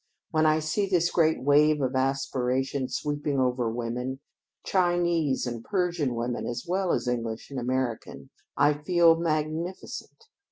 When I see this great wave of aspiration sweeping over women, Chinese and Persian women as well as English and American, I feel magnificent.